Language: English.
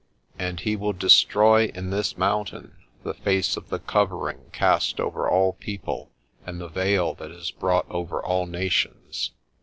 "And He will destroy in this mountain the face of the covering cast over all people, and the vail that is brought over all nations.